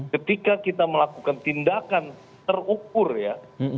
ketika kita melakukan tindakan terukur ya